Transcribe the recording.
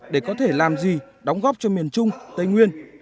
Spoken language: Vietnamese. để có thể làm gì đóng góp cho miền trung tây nguyên